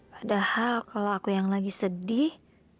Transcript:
padahal kalau aku yang lagi sedih